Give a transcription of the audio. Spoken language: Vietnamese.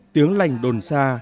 tiếng lành đồn xa